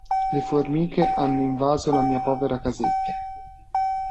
Le formiche hanno invaso la mia povera casetta.